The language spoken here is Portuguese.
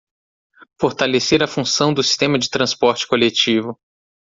Fortalecer a função do sistema de transporte coletivo